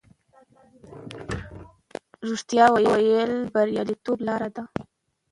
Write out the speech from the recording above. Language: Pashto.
رښتیا ویل د بریالیتوب لاره ده.